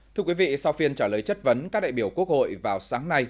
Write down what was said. thưa quý vị sau phiên trả lời chất vấn các đại biểu quốc hội vào sáng nay